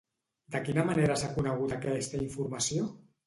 De quina manera s'ha conegut aquesta informació?